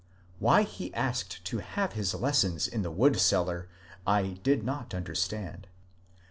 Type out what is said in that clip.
Why he asked to have his lessons in the wood cellar I did not un derstand.